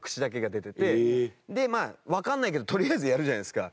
でまあわかんないけどとりあえずやるじゃないですか。